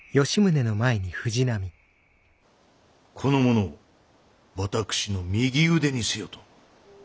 この者を私の右腕にせよと。